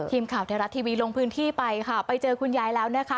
ทีมข่าวไทยรัฐทีวีลงพื้นที่ไปค่ะไปเจอคุณยายแล้วนะคะ